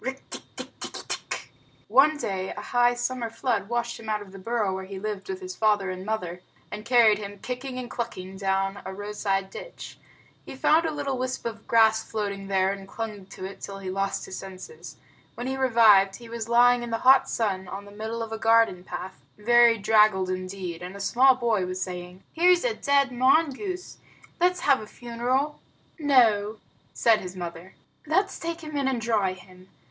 One day, a high summer flood washed him out of the burrow where he lived with his father and mother, and carried him, kicking and clucking, down a roadside ditch. He found a little wisp of grass floating there, and clung to it till he lost his senses. When he revived, he was lying in the hot sun on the middle of a garden path, very draggled indeed, and a small boy was saying, "Here's a dead mongoose. Let's have a funeral." "No," said his mother, "let's take him in and dry him.